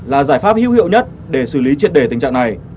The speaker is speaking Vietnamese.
là giải pháp hữu hiệu nhất để xử lý triệt đề tình trạng này